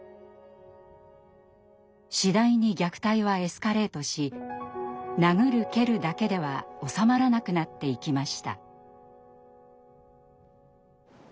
次第に虐待はエスカレートし殴る蹴るだけでは収まらなくなっていきました。